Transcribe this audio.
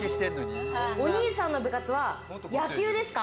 お兄さんの部活は野球ですか？